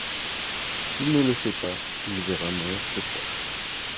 S'il ne le fait pas, il verra mourir ses proches.